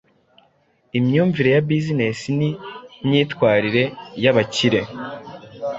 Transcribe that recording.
imyumvire ya business ni myitwarire yabakire